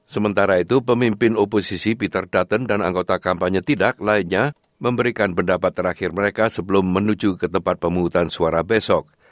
sementara itu pemimpin oposisi peter dutton dan anggota kampanye tidak lainnya memberikan pendapat terakhir mereka sebelum menuju ke tempat pemungutan suara besok